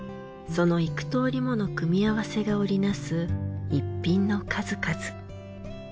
そのいくとおりもの組み合わせが織りなす逸品の数々。